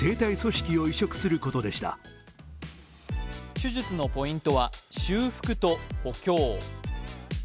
手術のポイントは修復と補強。